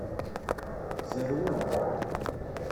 Zerwent.